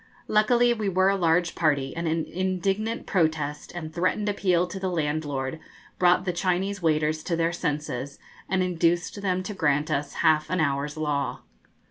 Luckily, we were a large party, and an indignant protest and threatened appeal to the landlord brought the Chinese waiters to their senses, and induced them to grant us half an hour's law.